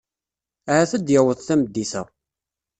Ahat ad d-yaweḍ tameddit-a.